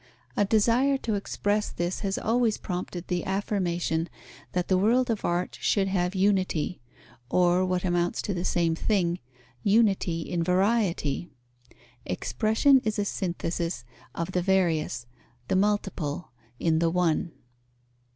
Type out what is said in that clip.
A desire to express this has always prompted the affirmation that the world of art should have unity, or, what amounts to the same thing, unity in variety. Expression is a synthesis of the various, the multiple, in the one.